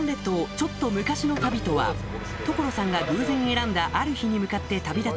ちょっと昔の旅とは所さんが偶然選んだある日に向かって旅立ち